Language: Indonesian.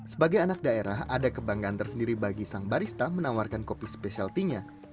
sebagai anak daerah ada kebanggaan tersendiri bagi sang barista menawarkan kopi spesialty nya